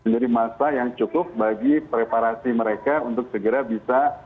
jadi masa yang cukup bagi preparasi mereka untuk segera bisa